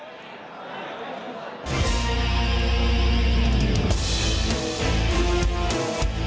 โปรดติดตามตอนต่อไป